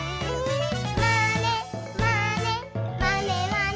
「まねまねまねまね」